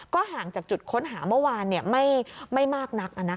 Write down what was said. ก็ห่างจากจุดค้นหาเมื่อวานเนี้ยไม่ไม่มากนักอ่ะนะคะ